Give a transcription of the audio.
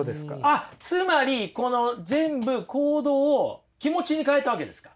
あっつまりこの全部行動を気持ちに変えたわけですか。